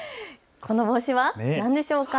この帽子は何でしょうか。